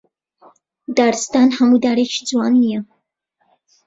دارستان هەموو دارێکی جوان نییە